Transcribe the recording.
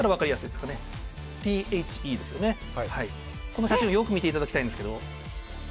この写真をよく見ていただきたいんですけど。